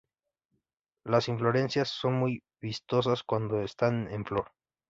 Las inflorescencias son muy vistosas cuando están en flor.